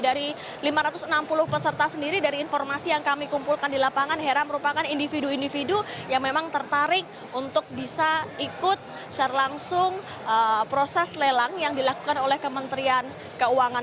dari lima ratus enam puluh peserta sendiri dari informasi yang kami kumpulkan di lapangan hera merupakan individu individu yang memang tertarik untuk bisa ikut secara langsung proses lelang yang dilakukan oleh kementerian keuangan